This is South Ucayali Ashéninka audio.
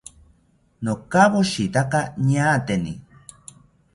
Nokawoshitaka ñaateni